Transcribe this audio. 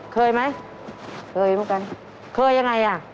เคยไหมเคยเหมือนกันเคยยังไงอ่ะ